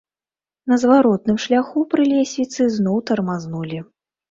На зваротным шляху пры лесвіцы зноў тармазнулі.